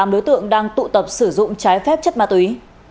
tám đối tượng đang tụ tập sử dụng trái phép chất ma túy